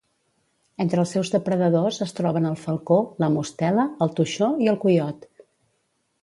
Entre els seus depredadors es troben el falcó, la mostela, el toixó i el coiot.